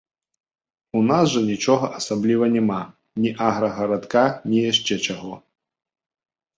У нас жа нічога асаблівага няма, ні аграгарадка, ні яшчэ чаго.